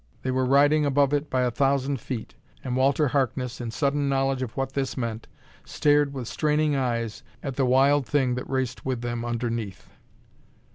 They were riding above it by a thousand feet, and Walter Harkness, in sudden knowledge of what this meant, stared with straining eyes at the wild thing that raced with them underneath.